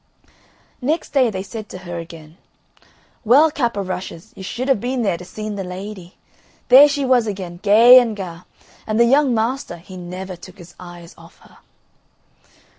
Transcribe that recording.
Next day they said to her again, "Well, Cap o' Rushes, you should ha' been there to see the lady. There she was again, gay and ga', and the young master he never took his eyes off her."